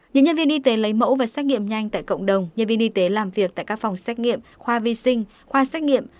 những nhân viên y tế lấy mẫu và xét nghiệm nhanh tại cộng đồng nhân viên y tế làm việc tại các phòng xét nghiệm khoa vi sinh khoa xét nghiệm